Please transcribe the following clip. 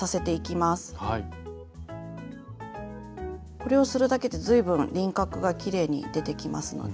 これをするだけで随分輪郭がきれいに出てきますので。